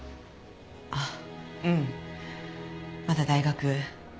ああうんまだ大学。